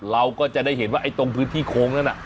เราก็จะได้เห็นว่าไอ้ตรงพื้นที่โค้งนั้น